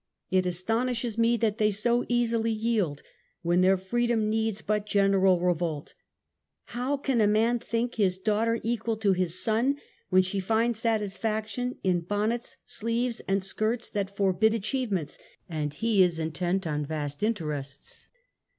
It astonishes me that they so easily yield, when their freedom needs but general revolt. How ; can a man think his daughter equal to his son when \ she finds satisfaction in bonnets, sleeves and skirts that forbid achievements, and he is intent on vast interests